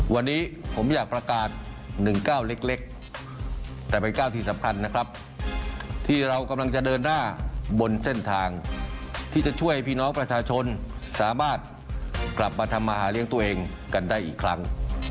วันนี้ผมอยากประกาศ๑๙เล็กแต่เป็นก้าวที่สำคัญนะครับที่เรากำลังจะเดินหน้าบนเส้นทางที่จะช่วยพี่น้องประชาชนสามารถกลับมาทำมาหาเลี้ยงตัวเองกันได้อีกครั้ง